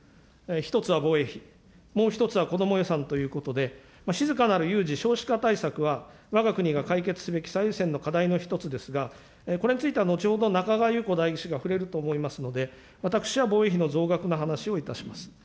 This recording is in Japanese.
１つは防衛費、もう１つはこども予算ということで、静かなる有事、少子化対策はわが国が解決すべき最優先の課題の一つですが、これについては、後ほど中川郁子代議士が触れると思いますので、私は防衛費の増額の話をいたします。